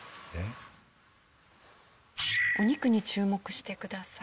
お肉に注目してください。